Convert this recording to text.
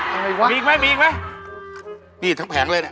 มีอีกมาไหมมีทั้งแผงเลย